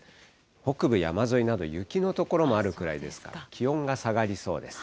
北部山沿いなど、雪の所もあるくらいですから、気温が下がりそうです。